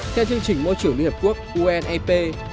theo chương trình môi trường liên hợp quốc unep